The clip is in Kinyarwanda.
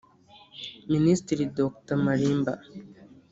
Minisitiri Dr Malimba